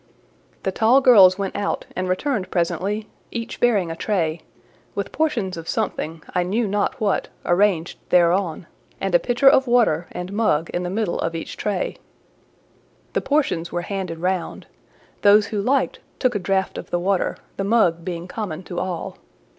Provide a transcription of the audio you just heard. The tall girls went out and returned presently, each bearing a tray, with portions of something, I knew not what, arranged thereon, and a pitcher of water and mug in the middle of each tray. The portions were handed round; those who liked took a draught of the water, the mug being common to all.